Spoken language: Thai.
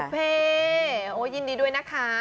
โอ้โฮเพย์โอ้ยยินดีด้วยนะคะ